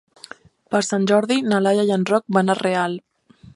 Per Sant Jordi na Laia i en Roc van a Real.